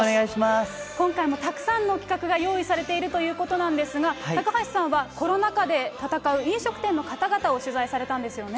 今回もたくさんの企画が用意されているということなんですが、高橋さんは、コロナ禍で闘う飲食店の方々を取材されたんですよね。